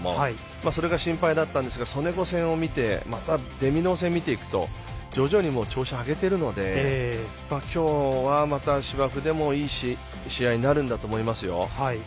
それが心配だったんですがソネゴ戦を見てまたデミノー戦を見ていくと徐々に調子を上げているので今日は、また芝生でもいい試合になると思います。